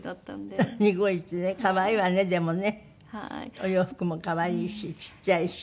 お洋服も可愛いしちっちゃいし。